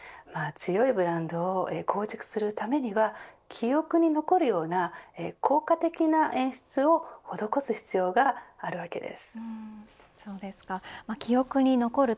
強いブランドを構築するためには記憶に残るような効果的な演出を施す必要があるわけです。